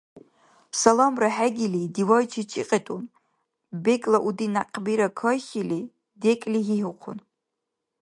Саламра хӀегили, дивайчи чӀикьитӀун. БекӀла уди някъбира кайхьили, декӀли гьигьухъун.